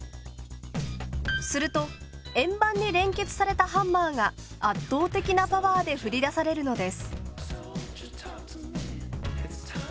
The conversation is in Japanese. すると円盤に連結されたハンマーが圧倒的なパワーで振り出されるのです。